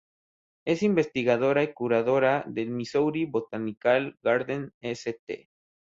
Es investigadora y curadora del Missouri Botanical Garden, St.